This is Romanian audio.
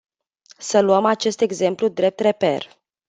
Să luăm acest exemplu drept reper.